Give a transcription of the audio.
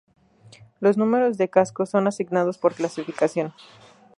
Los números de casco son asignados por clasificación.